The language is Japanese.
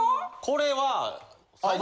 これは。